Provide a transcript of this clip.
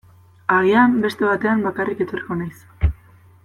Agian beste batean bakarrik etorriko naiz.